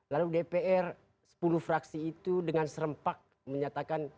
lalu dpr sepuluh fraksi itu dengan serempak menyatakan